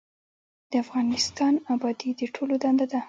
د افغانستان ابادي د ټولو دنده ده